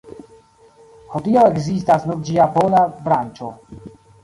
Hodiaŭ ekzistas nur ĝia pola branĉo.